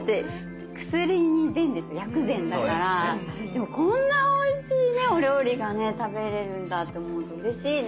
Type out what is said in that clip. でもこんなおいしいねお料理がね食べれるんだって思うとうれしいね。